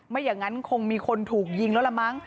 ไม่อย่างนั้นคงมีคนถูกยิงแล้วละมั้ง